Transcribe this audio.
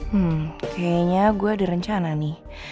hmm kayaknya gue ada rencana nih